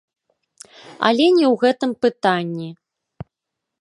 Але не ў гэтым пытанне.